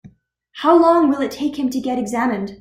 How long will it take to get him examined?